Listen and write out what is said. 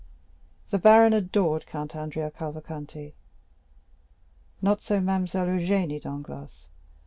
The baron adored Count Andrea Cavalcanti; not so Mademoiselle Eugénie Danglars.